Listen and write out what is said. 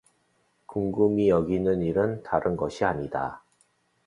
궁금히 여기는 일은 다른 것이 아니다.